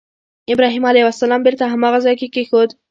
ابراهیم علیه السلام بېرته هماغه ځای کې کېښود.